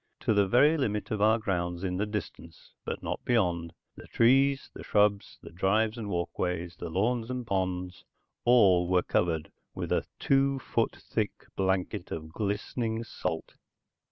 To the very limit of our grounds in the distance, but not beyond, the trees, the shrubs, the drives and walkways, the lawns and ponds, all were covered with a two foot thick blanket of glistening salt.